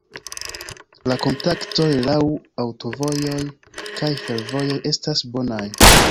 La kontaktoj laŭ aŭtovojoj kaj fervojoj estas bonaj.